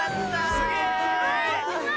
すげえ！